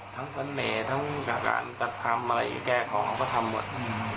ทั้งบริมาตรการกดทำไว้แก้ของเค้าก็ทำหมด